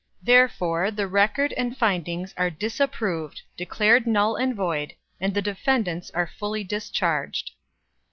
Therefore, the record and findings are disapproved declared null and void and the defendants are fully discharged."